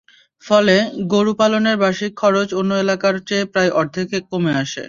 ফলে গরু পালনের বার্ষিক খরচ অন্য এলাকার চেয়ে প্রায় অর্ধেক কমে আসে।